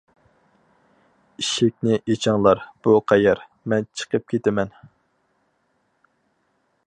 ئىشىكنى ئېچىڭلار، بۇ قەيەر؟ مەن چىقىپ كېتىمەن!